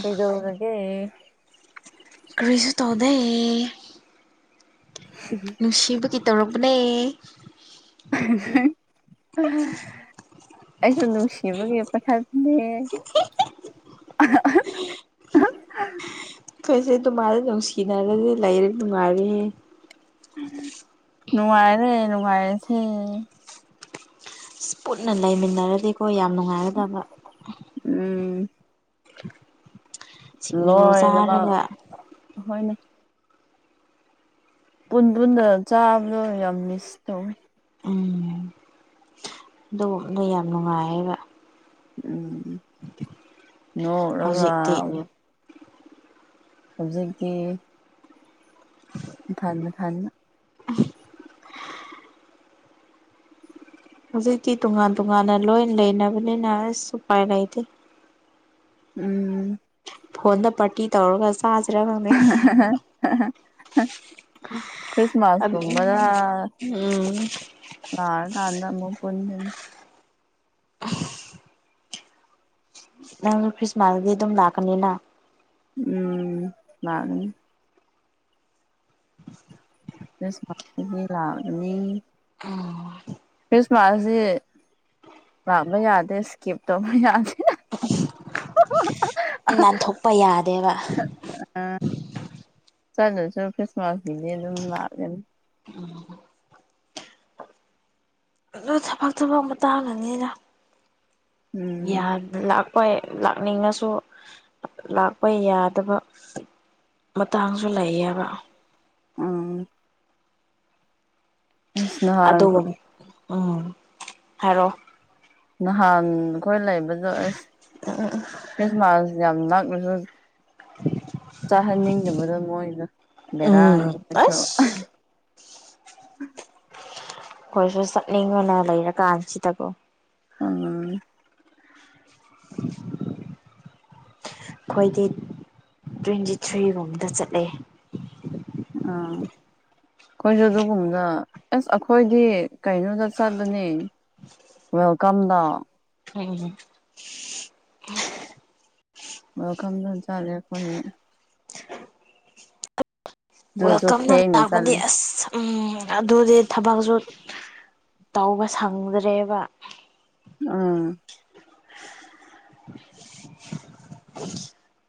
ꯀꯩꯗꯕꯔꯒꯦ ꯔꯤꯁꯨꯨ ꯇꯧꯣꯏ ꯎ ꯅꯨꯡꯁꯤꯕꯒꯤ ꯇꯧꯔꯛꯔꯕꯅꯦ ꯑ ꯑꯩꯁꯨ ꯅꯨꯡꯁꯤꯕꯒꯤ ꯄꯊꯥꯅꯦ ꯑ ꯑꯩꯈꯣꯏꯁꯦ ꯑꯗꯨꯃꯥꯏꯅ ꯅꯨꯡꯁꯤꯅꯔꯗꯤ ꯂꯩꯔ ꯅꯨꯡꯉꯥꯏꯔꯤ ꯅꯨꯡꯉꯥꯏꯔꯦ ꯅꯨꯡꯉꯥꯏꯔꯁꯦ ꯄꯨꯠꯟꯅ ꯂꯩꯃꯤꯟꯅꯔꯗꯤꯀꯣ ꯌꯥꯝ ꯅꯨꯡꯉꯥꯏꯔꯗꯕ ꯎꯝ ꯁꯤꯡꯖꯨ ꯂꯣꯏ ꯅꯃꯛ ꯆꯥꯔꯒ ꯍꯣꯏꯅ ꯄꯨꯟ ꯄꯨꯟꯗ ꯆꯥꯕꯗꯣ ꯌꯥꯝ ꯃꯤꯁ ꯇꯧꯋꯤ ꯎꯝ ꯑꯗꯨꯗ ꯌꯥꯝ ꯅꯨꯡꯉꯥꯏꯌꯦꯕ ꯎꯝ ꯅꯣꯛꯔꯒ ꯍꯧꯖꯤꯛꯇꯤ ꯍꯧꯖꯤꯛꯀꯤ ꯊꯃꯦ ꯊꯅꯤꯃꯦ ꯍꯧꯖꯤꯛꯇꯤ ꯇꯣꯉꯥꯟ ꯇꯣꯉꯥꯟꯅ ꯂꯣꯏ ꯂꯩꯅꯕꯅꯤꯅ ꯑꯁ ꯎꯄꯥꯏ ꯂꯩꯇꯦ ꯎꯝ ꯐꯣꯟꯗ ꯄꯥꯔꯇꯤ ꯇꯧꯔꯒ ꯆꯥꯁꯤꯔ ꯉꯪꯅ [unintelligible] ꯈ꯭ꯔꯤꯁꯃꯥꯁ ꯎꯝ ꯊꯕꯖꯥ ꯂꯔ ꯀꯥꯟꯗ ꯑꯃ ꯄꯨꯟ ꯅꯪ ꯈ꯭ꯔꯤꯁꯃꯥꯁꯗꯤ ꯑꯗꯨꯝ ꯂꯥꯛꯀꯅꯤꯅ ꯎꯝ ꯂꯒꯅꯤ ꯈ꯭ꯔꯤꯁꯃꯥꯁꯀꯤ ꯂꯥꯅꯤ ꯈ꯭ꯔꯤꯁꯃꯥꯁꯁꯤ ꯂꯥꯕ ꯌꯥꯗꯦ ꯏꯁꯀꯤꯞ ꯇꯧꯕ ꯌꯥꯗꯦ ꯅꯥꯟꯊꯣꯛꯄ ꯌꯥꯗꯦꯕ ꯑ ꯆꯠꯂꯁꯨ ꯈ꯭ꯔꯤꯁꯃꯥꯁꯒꯤꯗꯤ ꯑꯗꯨꯝ ꯂꯥꯛꯂꯦꯅꯤ ꯎꯝ ꯑꯗꯨ ꯊꯕꯛ ꯊꯕꯛ ꯃꯇꯥꯡꯉꯅꯤꯅ ꯎꯝ ꯍꯣꯏ ꯂꯥꯛꯅꯤꯡꯉꯁꯨ ꯂꯥꯛꯄ ꯌꯥꯗꯕ ꯃꯇꯥꯡꯁꯨ ꯂꯩꯌꯦꯕ ꯑꯥ ꯑꯁ ꯅꯍꯥꯟ ꯑꯗꯨꯒꯨꯝ ꯎꯝ ꯍꯥꯏꯔꯣꯑꯣ ꯅꯍꯥꯟ ꯑꯩꯈꯣꯏ ꯂꯩꯕꯗ ꯑꯁ ꯈ꯭ꯔꯤꯁꯃꯥꯁ ꯌꯥꯝ ꯅꯥꯛꯂꯁꯨ ꯆꯥꯍꯟꯅꯤꯡꯗꯕꯗꯣ ꯃꯣꯏꯁꯨ ꯕꯦꯔꯥꯑꯅꯤ ꯎꯝ ꯑꯁ ꯃꯣꯏꯁꯨ ꯑꯩꯈꯣꯏꯁꯨ ꯑꯩꯈꯣꯏꯁꯨ ꯆꯠꯅꯤꯡꯉꯅ ꯂꯩꯔꯀꯥꯟꯁꯤꯗꯀꯣ ꯎꯝ [unintelligible] ꯈꯣꯏ ꯗꯤ ꯇ꯭ꯋꯦꯟꯇꯤ ꯊ꯭ꯔꯤꯒꯨꯝꯕꯗ ꯆꯠꯂꯦ ꯑꯥ ꯑꯩꯈꯣꯏꯁꯨ ꯑꯗꯨꯒꯨꯝꯕꯗ ꯑꯁ ꯑꯩꯈꯣꯏꯗꯤ ꯀꯩꯅꯣꯗ ꯆꯠꯂꯅꯤ ꯋꯦꯜꯀꯝꯗ ꯎꯝ [unintelligible] ꯋꯦꯜꯀꯝꯗ ꯆꯠꯂꯦ ꯑꯈꯣꯢꯅꯤ ꯑꯗꯨꯁꯨ ꯋꯦꯜꯀꯝꯅ ꯊꯦꯡꯅ ꯂꯥꯛꯄꯗꯤ ꯆꯠꯂꯦ ꯑꯁ ꯎꯝ ꯑꯗꯨꯗꯤ ꯊꯕꯛꯁꯨ ꯇꯧꯕ ꯁꯪꯗ꯭ꯔꯦꯕ ꯎꯝ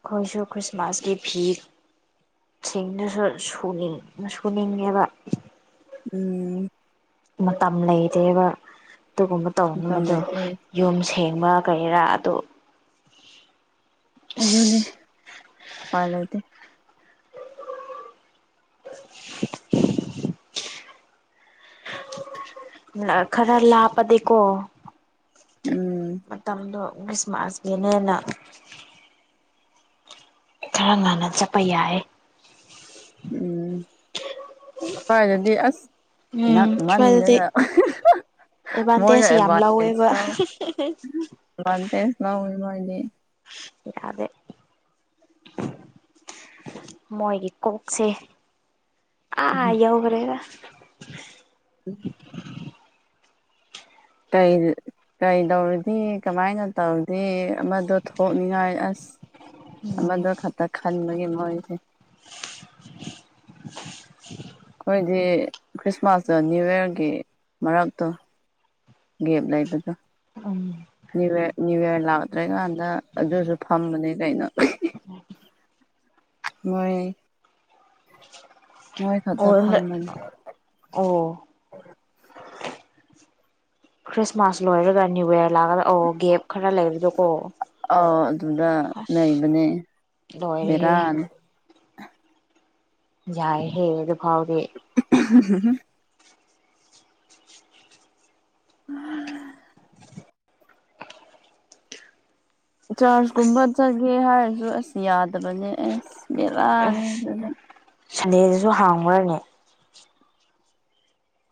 ꯈꯣꯢꯁꯨ ꯈ꯭ꯔꯤꯁꯃꯥꯁꯀꯤ ꯐꯤ ꯁꯤꯡꯗꯨꯁꯨ ꯁꯨꯨꯅꯤꯡ ꯁꯨꯅꯤꯡꯉꯦꯕ ꯎꯝ ꯃꯇꯝ ꯂꯩꯇꯦꯕ ꯑꯗꯨꯒꯨꯝꯕ ꯃꯇꯝ ꯇꯧꯅꯕꯗꯣ ꯂꯩꯇꯦ ꯌꯨꯝ ꯁꯦꯡꯕ ꯀꯩꯔꯥ ꯑꯗꯨ ꯑꯗꯨꯅꯤ ꯎꯄꯥꯢ ꯂꯩꯇꯦ ꯅ ꯈꯔ ꯂꯥꯞꯄꯗꯤꯀꯣ ꯎꯝ ꯃꯇꯝꯗꯣ ꯈ꯭ꯔꯤꯁꯃꯥꯁꯀꯤꯅꯦꯅ ꯈꯔ ꯉꯟꯅ ꯆꯠꯄ ꯌꯥꯏ ꯎꯝ ꯁ꯭ꯋꯥꯏꯗꯗꯤ ꯑꯁ ꯎꯝ ꯅꯛꯃꯟꯗꯅ [unintelligible] ꯃꯣꯏꯅ ꯑꯦꯕꯥꯟꯇꯦꯖ ꯌꯥꯝ ꯂꯧꯋꯦꯕ [unintelligible] ꯑꯦꯚꯥꯟꯇꯦꯁ ꯂꯧꯏ ꯃꯣꯢꯗꯤ ꯌꯥꯗꯦ ꯃꯣꯏꯒꯤ ꯀꯣꯛꯁꯦ ꯑꯥ ꯌꯧꯈ꯭ꯔꯦꯗ ꯎꯝ ꯀꯩ ꯀꯔꯤ ꯇꯧꯔꯗꯤ ꯀꯃꯥꯏꯅ ꯇꯧꯗꯦ ꯑꯃꯗꯣ ꯊꯣꯛꯅꯤꯡꯉꯥꯏ ꯑꯁ ꯑꯃꯗꯣ ꯈꯛꯇ ꯈꯟꯕꯒꯤ ꯃꯣꯏꯁꯦ [unintelligible] ꯈꯣꯏꯗꯤ ꯈ꯭ꯔꯤꯁꯃꯥꯁꯇ ꯅ꯭ꯌꯨꯌꯔꯒꯤ ꯃꯔꯛꯇꯣ ꯒꯦꯞ ꯂꯩꯕꯗꯣ [unintelligible] ꯅ꯭ꯌꯨꯌꯔ ꯅ꯭ꯌꯨꯌꯥꯔ ꯂꯥꯛꯇ꯭ꯔꯤꯀꯥꯟꯗ ꯑꯗꯨꯁꯨ ꯐꯝꯕꯅꯦ ꯀꯩꯅꯣ [unintelligible] ꯃꯣꯏ ꯃꯣꯏ ꯑꯣ ꯈꯛꯇ ꯐꯝꯕꯅꯦ ꯑꯣ ꯈ꯭ꯔꯤꯁꯃꯥꯁ ꯂꯣꯏꯔꯒ ꯅꯤꯌꯨ ꯏꯌꯥꯔ ꯂꯥꯛꯂꯗ ꯑꯣ ꯒꯦꯞ ꯈꯔ ꯂꯩꯕꯗꯣꯀꯣ ꯑꯧ ꯑꯗꯨꯗ ꯑꯁ ꯂꯩꯕꯅꯦ ꯂꯣꯏꯔꯦꯍꯦ ꯕꯦꯔꯥꯅꯤ ꯌꯥꯏꯍꯦ ꯑꯗꯨꯐꯥꯎꯗꯤ [unintelligible] [unintelligible] ꯆꯥꯔꯆ ꯀꯨꯝꯕ ꯆꯠꯒꯦ ꯍꯥꯏꯔꯁꯨ ꯑꯁ ꯌꯥꯗꯕꯅꯦ ꯑꯁ ꯕꯦꯔꯥꯅꯤ ꯑꯗꯨꯅ ꯁꯟꯗꯦꯗꯁꯨ ꯍꯥꯡꯕ꯭ꯔꯅꯦ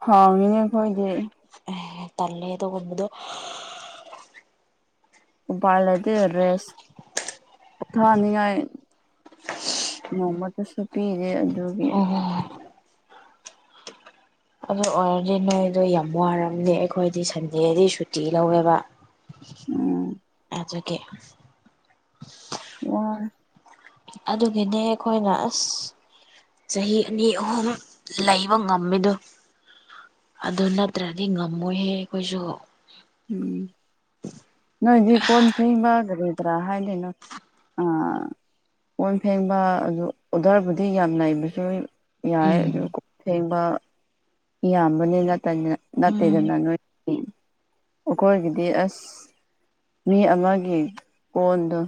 ꯍꯥꯡꯉꯤꯅꯦ ꯈꯣꯏꯗꯤ ꯑꯦ ꯇꯜꯂꯦ ꯑꯗꯨꯒꯨꯝꯕꯗꯨ ꯎꯄꯥꯏ ꯂꯩꯇꯦ ꯔꯦꯁ ꯄꯣꯊꯥꯅꯤꯡꯉꯥꯏ ꯅꯣꯡꯃꯇꯥꯁꯨ ꯄꯤꯗꯦ ꯑꯗꯨꯒꯤ [inaudible] ꯑꯗꯨ ꯑꯣꯏꯔꯗꯤ ꯅꯣꯏꯗꯣ ꯌꯥꯝ ꯋꯥꯔꯝꯅꯤ ꯑꯩꯈꯣꯏꯗꯤ ꯁꯟꯗꯦꯗꯤ ꯁꯨꯇꯤ ꯂꯧꯋꯦꯕ ꯎꯝ ꯑꯗꯨꯒꯤ [unintelligible] ꯑꯗꯨꯒꯤꯅꯦ ꯑꯩꯈꯣꯏꯅ ꯑꯁ ꯆꯍꯤ ꯑꯅꯤ ꯑꯍꯨꯝ ꯂꯩꯕ ꯉꯝꯃꯤꯗꯣ ꯑꯗꯨ ꯅꯠꯇ꯭ꯔꯗꯤ ꯉꯝꯃꯣꯏꯍꯦ ꯑꯩꯈꯣꯏꯁꯨ ꯎꯝ ꯅꯣꯏꯗꯤ ꯀꯣꯟ ꯐꯦꯡꯕ ꯀꯔꯤ ꯀꯔꯥ ꯍꯥꯏꯗꯅꯣ ꯑꯥ ꯀꯣꯟ ꯐꯦꯡꯕ ꯑꯗꯨ ꯑꯣꯗꯔꯕꯨꯗꯤ ꯌꯥꯝ ꯂꯩꯕꯁꯨ ꯌꯥꯏ ꯎꯝ ꯑꯗꯨ ꯀꯣꯛ ꯊꯦꯡꯕ ꯏꯕꯅꯤꯠꯇꯅꯤ ꯎꯝ ꯅꯠꯇꯦꯗꯅ ꯅꯣꯏ [unintelligible] ꯑꯩꯈꯣꯏꯒꯤꯗꯤ ꯑꯁ ꯃꯤ ꯑꯃꯒꯤ ꯀꯣꯟꯗꯣ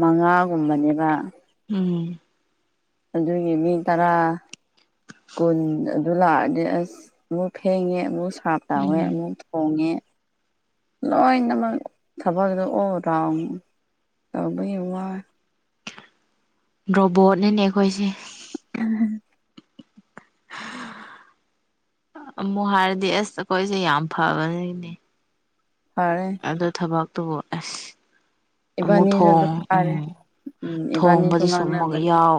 ꯃꯉꯥꯒꯨꯝꯕꯅꯦꯕ ꯎꯝ ꯑꯗꯨꯒꯤ ꯃꯤ ꯇꯔꯥ ꯀꯨꯟ ꯑꯗꯨ ꯂꯥꯛꯑꯗꯤ ꯑꯁ ꯑꯃꯨꯛ ꯐꯦꯡꯉꯦ ꯑꯃꯨꯛ ꯁꯥꯔꯞ ꯇꯧꯋꯦ ꯎꯝ ꯑꯃꯨꯛ ꯈꯣꯉꯦ ꯂꯣꯏꯅꯃꯛ ꯊꯕꯛꯒꯗ ꯑꯣ ꯔꯥꯎ ꯇꯥꯎꯕ ꯌꯦꯡ ꯋꯥ ꯔꯣꯕꯣꯠꯅꯅꯦ ꯑꯩꯈꯣꯏꯁꯦ [unintelligible] ꯑꯃꯨꯛ ꯍꯥꯏꯔꯗꯤ ꯑꯁ ꯑꯩꯈꯣꯏꯁꯦ ꯌꯥꯝ ꯐꯕꯅꯤꯅꯦ ꯐꯔꯦ ꯑꯗꯣ ꯊꯕꯛꯇꯨꯕꯨ ꯑꯁ ꯑꯃꯨꯛ ꯏꯕꯥꯅꯤꯁꯨ ꯊꯣꯡ ꯑꯗꯨꯝ ꯎꯝ ꯐꯥꯔꯦ ꯎꯝ ꯏꯕꯥꯅꯤꯁꯨ ꯊꯣꯡꯕꯗꯨ ꯁꯨꯃꯨꯛ ꯉꯥꯡꯅꯕꯅꯦ ꯌꯥꯎ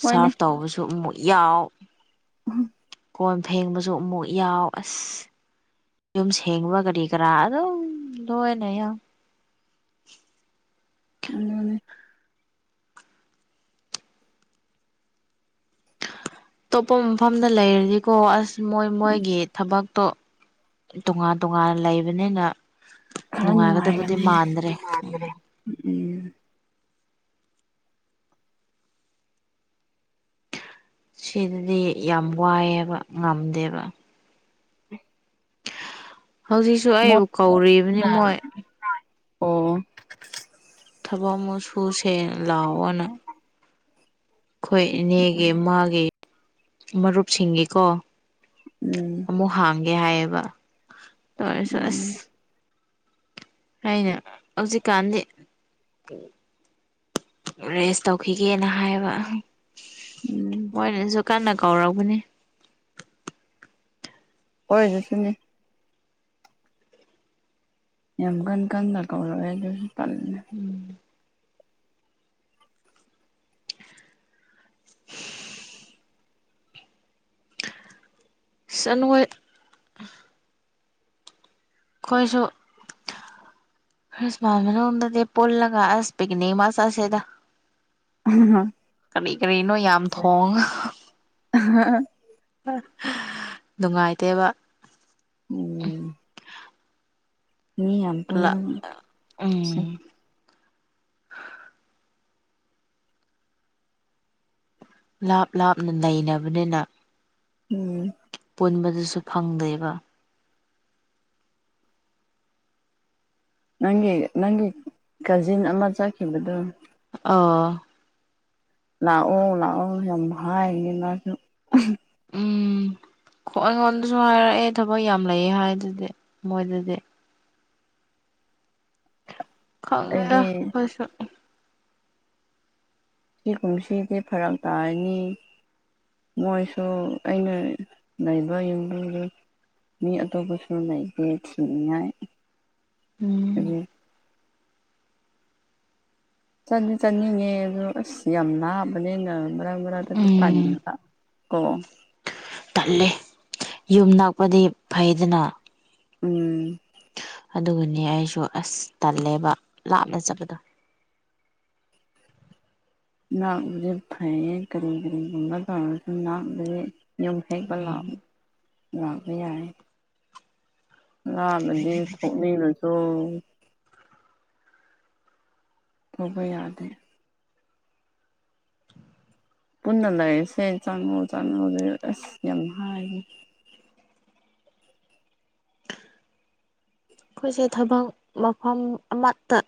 ꯍꯣꯏꯅꯦ ꯁꯥꯔꯐ ꯇꯧꯕꯁꯨ ꯑꯃꯨꯛ ꯌꯥꯎ [unintelligible] ꯀꯣꯟ ꯐꯦꯡꯕꯁꯨ ꯑꯃꯨꯛ ꯌꯥꯎ ꯑꯁ ꯌꯨꯝ ꯁꯦꯡꯕ ꯀꯔꯤ ꯀꯔꯥ ꯑꯗꯨꯝ ꯂꯣꯏꯅꯦ ꯌꯥꯝ ꯎꯝ ꯑꯇꯣꯞꯄ ꯃꯐꯝꯗ ꯂꯩꯔꯗꯤꯀꯣ ꯑꯁ ꯃꯣꯏ ꯃꯣꯏꯒꯤ ꯊꯕꯛꯇꯣ ꯇꯣꯉꯥꯟ ꯇꯣꯉꯥꯟꯅ ꯂꯩꯕꯅꯤꯅ ꯈꯔ ꯅꯨꯡꯉꯥꯏꯒꯗꯕꯗꯤ ꯅꯨꯡꯉꯥꯏꯒꯅꯤ ꯃꯥꯟꯗ꯭ꯔꯦ ꯎꯝ ꯁꯤꯗꯗꯤ ꯌꯥꯝ ꯋꯥꯏꯑꯦꯕ ꯉꯝꯗꯦꯕ [unintelligible] ꯍꯧꯖꯤꯛꯁꯨ ꯑꯩꯕꯨ ꯀꯧꯔꯤꯕꯅꯤ ꯃꯣꯏꯅ ꯃꯣꯏ ꯑꯣ ꯊꯕꯛ ꯃꯨꯆꯨꯁꯦ ꯂꯥꯛꯑꯣꯅ ꯑꯩꯈꯣꯏ ꯏꯅꯦꯒꯤ ꯃꯥꯒꯤ ꯃꯔꯨꯞꯁꯤꯡꯒꯤꯀꯣ ꯎꯝ ꯑꯃꯨꯛ ꯍꯥꯡꯒꯦ ꯍꯥꯏꯌꯦꯕ ꯇꯧꯔꯁꯨ ꯑꯁ ꯎꯝ ꯑꯩꯅ ꯍꯧꯖꯤꯛꯀꯥꯟꯗꯤ ꯔꯦꯁ ꯇꯧꯈꯤꯒꯦꯅ ꯍꯥꯏꯌꯦꯕ ꯎꯝ ꯃꯣꯏꯅꯁꯨ ꯀꯟꯅ ꯀꯧꯔꯧꯕꯅꯤ ꯍꯣꯏ ꯑꯗꯨ ꯁꯤꯅꯦ ꯌꯥꯝ ꯀꯟ ꯀꯟꯟꯅ ꯀꯧꯔꯛꯑꯦ ꯑꯗꯨꯁꯨ ꯄꯜꯂꯤꯅꯦ ꯎꯝ ꯁꯟ ꯑꯣꯏꯣꯏ ꯑꯩꯈꯣꯏꯁꯨ ꯁꯃ ꯃꯅ ꯍ ꯄꯣꯂꯒ ꯑꯁ ꯄꯤꯛꯅꯤ ꯃꯥꯁꯥꯁꯦꯗ ꯑ ꯍ ꯀꯔꯤ ꯀꯔꯤꯅꯣ ꯌꯥꯝ ꯊꯣꯡꯉ ꯅꯨꯡꯉꯥꯏꯇꯦꯕ ꯎꯝ ꯃꯤ ꯌꯥꯝ [unintelligible] ꯁꯦ ꯎꯝ ꯂꯥꯞ ꯂꯥꯞꯅ ꯅꯩꯅꯕꯅꯤꯅ ꯎꯝ ꯄꯨꯟꯕꯗꯨꯁꯨ ꯐꯪꯗꯦꯕ ꯅꯪꯒꯤ ꯅꯪꯒꯤ ꯀꯖꯤꯟ ꯑꯃ ꯆꯠꯈꯤꯕꯗꯣ ꯑꯣ ꯂꯥꯛꯑꯣ ꯂꯥꯛꯑꯣ ꯌꯥꯝ ꯍꯥꯏꯔꯤ ꯃꯥꯁꯨ ꯎꯝ ꯑꯩꯉꯣꯟꯗꯁꯨ ꯍꯥꯏꯔꯛꯑꯦ ꯊꯕꯛ ꯌꯥꯝ ꯂꯩꯌꯦ ꯍꯥꯏꯗꯨꯗꯤ ꯃꯣꯏꯗꯗꯤ ꯈꯪꯗ‌ꯦꯗ ꯑꯩꯗꯤ ꯈ‌ꯣꯏꯁꯨ ꯁꯤ ꯀꯨꯝꯁꯤꯗꯤ ꯐꯔꯛ ꯇꯥꯔꯅꯤ ꯃꯣꯏꯁꯨ ꯑꯩꯅ ꯂꯩꯕ ꯌꯨꯝꯕꯨꯗ‌ꯣ ꯃꯤ ꯑꯇꯣꯞꯄꯁꯨ ꯂꯩꯇꯦ ꯊꯤꯅꯤꯡꯉꯥꯏ ꯎꯝ ꯑꯗꯨ ꯆꯠꯅꯤ ꯆꯥꯅꯤꯡꯉꯦ ꯑꯗꯨ ꯑꯁ ꯌꯥꯝ ꯅꯥꯕꯅꯤꯅ ꯃꯔꯛ ꯃꯔꯛꯇꯗꯤ ꯇꯟꯕ ꯀ‌ꯣ ꯇꯜꯂ‌ꯦ ꯌꯨꯝ ꯅꯥꯛꯄꯗꯤ ꯐꯩꯗꯅ ꯎꯝ ꯑꯗꯨꯅ‌ꯦ ꯑꯩꯁꯨ ꯑꯁ ꯇꯜꯂꯦꯕ ꯂꯥꯞꯅ ꯆꯠꯄꯗꯣ ꯅꯥꯛꯄꯁꯨ ꯐꯩꯌꯦ ꯀꯔꯤ ꯀꯔꯤꯒꯨꯝꯕ ꯇꯧꯔꯁꯨ ꯅꯥꯛꯄꯁ‌ꯦ ꯌꯨꯝ ꯍꯦꯛꯄ ꯂꯥꯛ ꯎꯝ ꯂꯥꯛꯄ ꯌꯥꯏ ꯂꯥꯕꯗꯤ ꯊꯣꯛꯅꯤꯡꯔꯁꯨ ꯊ‌ꯣꯛꯄ ꯌꯥꯗꯦ ꯄꯨꯟꯅ ꯂꯩꯥꯔꯁꯦ ꯆꯪꯉ‌ꯣ ꯆꯥꯉ‌ꯣ ꯂ‌ꯩꯔ‌ꯣ ꯑꯁ ꯌꯥꯝ ꯍꯥꯏꯌ‌ꯦ ꯑꯩꯈꯣꯏꯁꯦ ꯊꯕꯛ ꯃꯐꯝ ꯑꯃꯠꯇ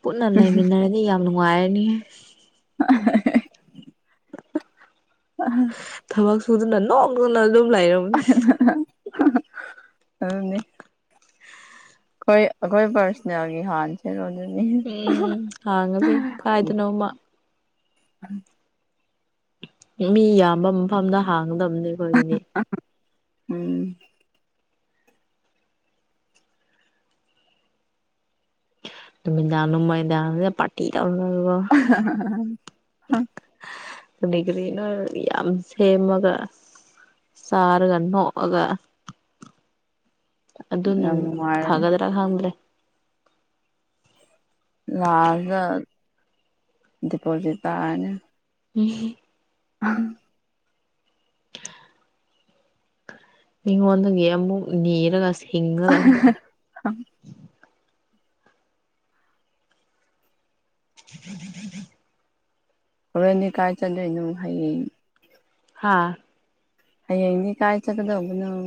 ꯄꯨꯟꯅ ꯂꯩꯃꯤꯟꯅꯔꯗꯤ ꯌꯥꯝ ꯅꯨꯡꯉꯥꯏꯔꯅꯤꯍ‌ꯦ [unintelligible] ꯊꯕꯛ ꯁꯨꯗꯅ ꯅ‌ꯣꯛꯅ‌ꯣꯛꯅ ꯑꯗꯨꯝ ꯂꯩꯔꯝ [unintelligible] ꯑꯗꯨꯅꯦ ꯑꯩꯈꯣꯏ ꯑꯩꯈꯣꯏ ꯄꯥꯔꯁꯣꯅꯦꯜꯒꯤ ꯍꯥꯟꯅ ꯁꯦꯔꯣꯟꯗꯅꯤ ꯎꯝ ꯍꯥꯡꯉꯁꯦ ꯀꯥꯏꯗꯅꯣꯃ ꯃꯤ ꯌꯥꯝꯕ ꯃꯐꯝꯗ ꯍꯥꯡꯒꯗꯕꯅꯤ ꯑꯩꯈꯣꯏꯒꯤꯗꯤ ꯎꯝ ꯅꯨꯃꯤꯗꯥꯡ ꯅꯨꯃꯤꯗꯥꯡꯁ‌ꯦ ꯄꯥꯔꯇꯤ ꯇꯧꯔꯒꯒꯣ [unintelligible] ꯀꯔꯤ ꯀꯔꯤꯅ‌ꯣ ꯌꯥꯝ ꯁꯦꯝꯃꯒ ꯆꯥꯔꯒ ꯅ‌ꯣꯛꯑꯒ ꯑꯗꯨꯅ ꯌꯥꯝ ꯅꯨꯡꯉꯥꯏꯔꯅꯤ ꯐꯒꯗ꯭ꯔ ꯈꯪꯗ꯭ꯔꯦ ꯂꯥꯖꯇ ꯗꯤꯄꯣꯖꯤꯠ ꯇꯥꯔꯅꯤ ꯎꯝ [unintelligible] [unintelligible] ꯃꯤꯉ‌ꯣꯟꯗꯒꯤ ꯃꯨꯛ ꯅꯤꯔꯒꯁꯤ [unintelligible] [unintelligible] ꯍꯣꯔꯦꯟꯗꯤ ꯀꯥꯏ ꯆꯟꯗꯣꯏꯅꯣ ꯍꯌꯦꯡ ꯍꯥꯥ ꯍꯌ‌ꯦꯡꯗꯤ ꯀꯥꯏ ꯆꯠꯀꯗꯧꯕꯅ‌ꯣ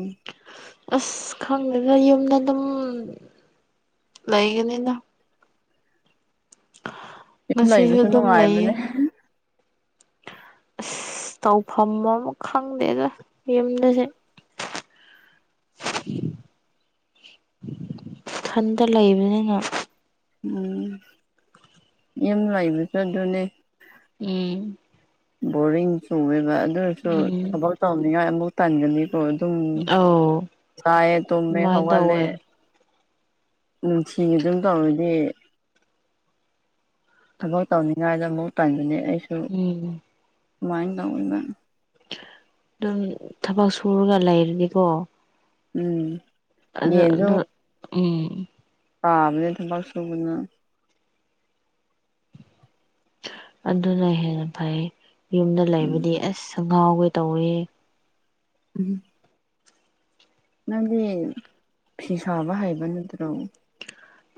ꯑꯁ ꯈꯪꯗꯦꯗ ꯌꯨꯝꯗ ꯑꯗꯨꯝ ꯂꯩꯒꯅꯤꯗ ꯌꯨꯝ ꯉꯁꯤꯁꯨ ꯂꯩꯕꯁꯨ ꯑꯗꯨꯝ ꯂꯩꯌꯦ ꯅꯨꯡꯉꯥꯏꯕꯅꯦ ꯑꯁ ꯇꯧꯐꯝ ꯑꯃ ꯈꯪꯗꯦꯗ ꯌꯨꯝꯗꯁꯦ ꯏꯊꯟꯇ ꯂꯩꯕꯅꯤꯅ ꯎꯝ ꯌꯨꯝ ꯂꯩꯕꯁꯨ ꯑꯗꯨꯅꯦ ꯎꯝ ꯕꯣꯔꯤꯡ ꯆꯨꯌꯦꯕ ꯑꯗꯨ ꯑꯣꯏꯔꯁꯨ ꯎꯝ ꯊꯕꯛ ꯇꯧꯅꯤꯡꯉꯥꯏ ꯑꯃꯨꯛ ꯇꯟꯒꯅꯤ ꯍꯣꯏ ꯑꯗꯨꯝ ꯑꯧ ꯆꯥꯏꯑꯦ ꯇꯨꯝꯃꯦ ꯑꯗꯨꯃꯥꯏꯅ ꯍꯧꯒꯠꯂꯦ ꯇꯧꯋꯦ ꯅꯨꯡꯇꯤꯒꯤ ꯑꯗꯨꯝ ꯇꯧꯔꯗꯤ ꯊꯕꯛ ꯇꯧꯅꯤꯉꯥꯏꯗ ꯑꯃꯨꯛ ꯇꯟꯒꯅꯤ ꯑꯩꯁꯨ ꯎꯝ ꯀꯃꯥꯏꯅ ꯇꯧꯋꯤꯕ ꯑꯗꯨꯝ ꯊꯕꯛ ꯁꯨꯔꯒ ꯂꯩꯔꯗꯤ ꯀꯣ ꯎꯝ ꯑꯗꯨ ꯑꯗꯨ ꯎꯝ ꯄꯥꯕꯅꯦ ꯊꯕꯛ ꯁꯨꯕꯅ ꯑꯗꯨꯅ ꯍꯦꯟꯅ ꯐꯩ ꯌꯨꯝꯗ ꯂꯩꯕꯗꯤ ꯎꯝ ꯑꯁ ꯉꯥꯎꯒꯦ ꯇꯧꯋꯤꯍꯦ ꯎꯝ ꯅꯪꯗꯤ ꯐꯤ ꯁꯥꯕ ꯍꯩꯕ ꯅꯠꯇ꯭ꯔꯣ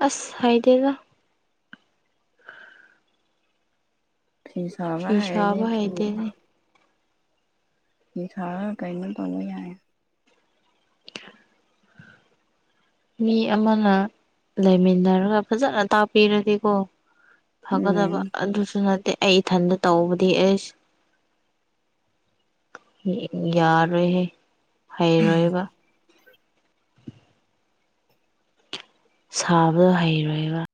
ꯑꯁ ꯍꯩꯇꯦꯗ ꯐꯤ ꯁꯥꯕ ꯐꯤ ꯍꯩꯔꯅꯤ ꯁꯥꯕ ꯐꯤ ꯍꯩꯇꯦꯅꯦ ꯁꯤ ꯁꯥꯔꯒ ꯀꯩꯅꯣ ꯇꯧꯕ ꯌꯥꯏ ꯃꯤ ꯑꯃꯅ ꯂꯩꯃꯤꯟꯅꯔꯒ ꯐꯖꯅ ꯇꯥꯛꯄꯤꯔꯗꯤꯀꯣ ꯐꯒꯗꯕ ꯎꯝ ꯑꯗꯨꯁꯨ ꯅꯠꯇꯦ ꯑꯩ ꯏꯊꯟꯇ ꯇꯧꯕꯗꯤ ꯑꯦꯁ ꯌꯥꯔꯣꯏꯍꯦ ꯍꯩꯔꯣꯏꯕ ꯁꯥꯕꯗꯣ ꯍꯩꯔꯣꯏꯕ